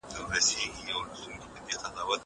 پلان د ښوونکي له خوا منظميږي!